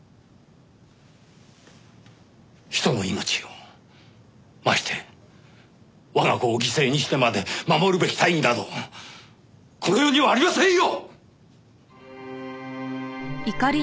人の命をまして我が子を犠牲にしてまで守るべき大義などこの世にはありませんよ！